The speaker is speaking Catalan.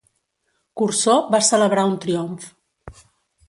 Cursor va celebrar un triomf.